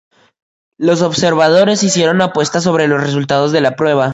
Los observadores hicieron apuestas sobre los resultados de la prueba.